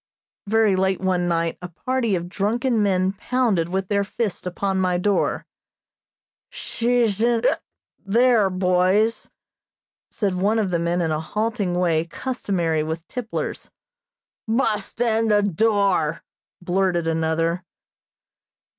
Very late one night a party of drunken men pounded with their fists upon my door. "She's in hic there, boys," said one of the men in a halting way customary with tipplers. "Bust in the door!" blurted another.